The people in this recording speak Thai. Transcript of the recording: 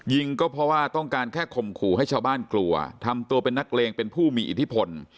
ยิงก็เพราะว่าต้องการแค่ข่มขู่ให้ชาวบ้านกลัวทำตัวเป็นนักเลงเป็นผู้มีอิทธิพล